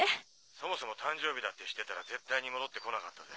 そもそも誕生日だって知ってたら絶対に戻って来なかったぜ。